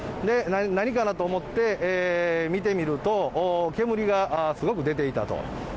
何かなと思って、見てみると、煙がすごく出ていたと。